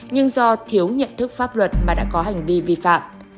nhưng do thiếu nhận thức pháp luật mà đã có hành vi vi phạm